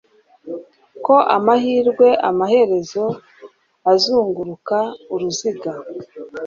ko Amahirwe amaherezo azunguruka uruziga